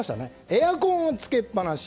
エアコンをつけっぱなし。